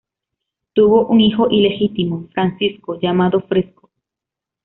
Tuvo un hijo ilegítimo, Francesco llamado "Fresco".